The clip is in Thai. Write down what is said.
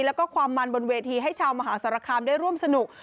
แล้วก็ความมันบนเวทีให้ชาวมหาสารคามได้ร่วมสนุก